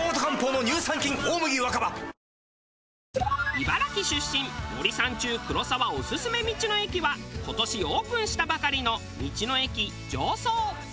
茨城出身森三中黒沢オススメ道の駅は今年オープンしたばかりの道の駅常総。